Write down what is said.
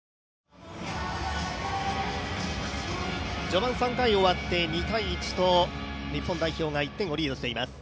序盤３回を終わって２−１と日本代表が１点をリードしています